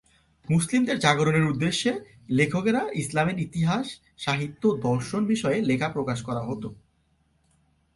মুসলিমদের জাগরণের উদ্দেশ্যে লেখকরা ইসলামের ইতিহাস, সাহিত্য, দর্শন বিষয়ে লেখা প্রকাশ করা হত।